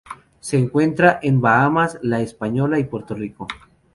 Se encuentra en Bahamas, la Española y Puerto Rico.